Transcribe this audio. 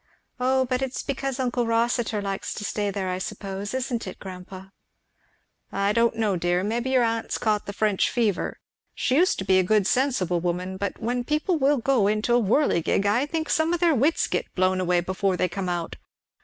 "Oh but it's because uncle Rossitur likes to stay there, I suppose, isn't it, grandpa?" "I don't know, dear. Maybe your aunt's caught the French fever. She used to be a good sensible woman; but when people will go into a whirligig, I think some of their wits get blown away before they come out.